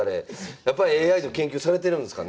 やっぱＡＩの研究されてるんですかね。